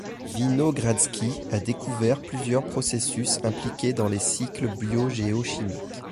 Vinogradski a découvert plusieurs processus impliqués dans les cycles biogéochimiques.